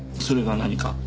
それが何か？